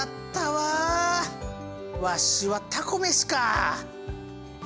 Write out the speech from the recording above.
わしはたこ飯か！